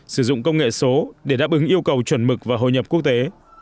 sử dụng công nghệ số để đáp ứng yêu cầu chuẩn mực và hội nhập quốc tế